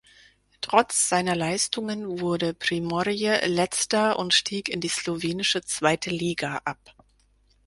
Trotz seiner Leistungen wurde Primorje Letzter und stieg in die slowenische Zweite Liga ab.